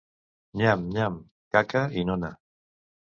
Nyam-nyam, caca i nona...